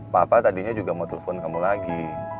papa tadinya juga mau telepon kamu lagi